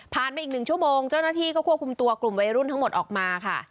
ไปอีก๑ชั่วโมงเจ้าหน้าที่ก็ควบคุมตัวกลุ่มวัยรุ่นทั้งหมดออกมาค่ะ